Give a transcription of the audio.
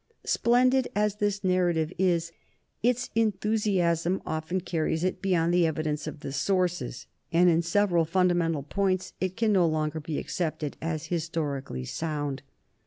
Splendid as this narrative is, its enthu siasm often carries it beyond the evidence of the sources, and in several fundamental points it can no longer be accepted as historically sound.